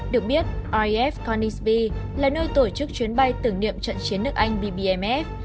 được biết raf corningsby là nơi tổ chức chuyến bay tưởng niệm trận chiến nước anh bbmf